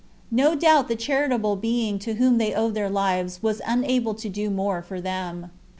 No doubt the charitable being to whom they owed their lives was unable to do more for them.